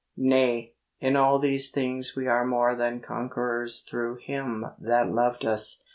Nay, in all these things we are more than conquerors through Him that loved us.